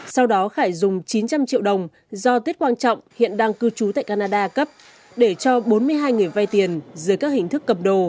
sau đó khải dùng chín trăm linh triệu đồng do tuyết quang trọng hiện đang cư trú tại canada cấp để cho bốn mươi hai người vay tiền dưới các hình thức cầm đồ